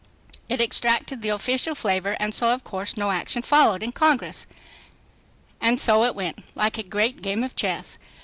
It extracted the official flavor, and so of course no action followed in Congress. And so it went—like a great game of chess.